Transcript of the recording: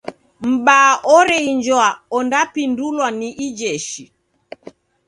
M'baa oreinjwa ondapindulwa ni ijeshi.